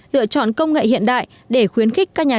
lựa chọn công nghệ hiện đại để khuyến khích các nhà